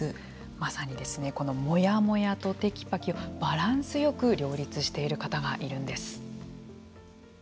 まさにこのモヤモヤとテキパキバランスよく両立している方がいるんです。